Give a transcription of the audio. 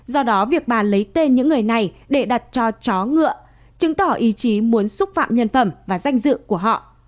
do đó việc bà lấy tên những người này để đặt cho chó ngựa chứng tỏ ý chí muốn xúc phạm nhân phẩm và danh dự của họ